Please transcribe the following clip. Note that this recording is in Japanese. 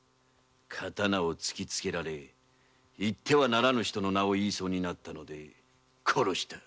刀をつきつけられ言ってはならぬ人の名を言いそうになったので殺した。